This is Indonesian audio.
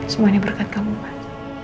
semuanya berkat kamu mas